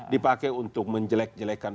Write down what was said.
dipakai untuk menjelek jelekkan